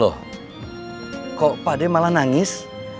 loh kok pakde malah nangis